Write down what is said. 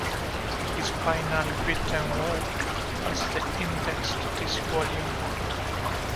His final written work was the index to this volume.